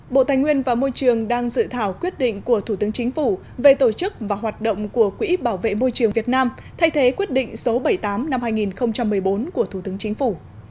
bộ tài nguyên và môi trường đang dự thảo quyết định của thủ tướng chính phủ về tổ chức và hoạt động của quỹ bảo vệ môi trường việt nam thay thế quyết định số bảy mươi tám năm hai nghìn một mươi bốn của thủ tướng chính phủ